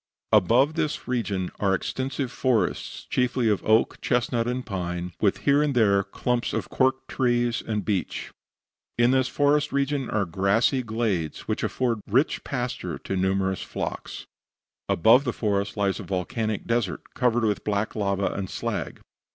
Above this region are extensive forests, chiefly of oak, chestnut, and pine, with here and there clumps of cork trees and beech. In this forest region are grassy glades, which afford rich pasture to numerous flocks. Above the forest lies a volcanic desert, covered with black lava and slag.